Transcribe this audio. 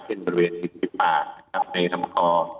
เช่นบริเวณศิษย์ภิกษาครับในธรรมคร